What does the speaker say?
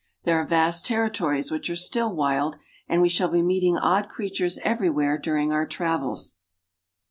There are vast territories which are still wild, and we shall be meeting odd creatures everywhere during our travels.